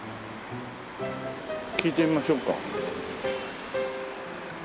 聞いてみましょうか。